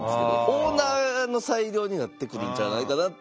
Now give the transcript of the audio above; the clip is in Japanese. オーナーの裁量になってくるんじゃないかなって。